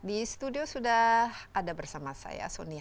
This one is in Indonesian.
di studio sudah ada bersama saya sonny han